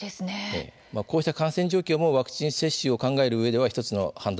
こうした感染状況もワクチン接種を考えるうえでは１つの判断